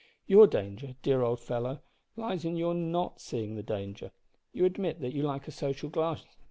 Your danger, dear old fellow, lies in your not seeing the danger. You admit that you like a social glass.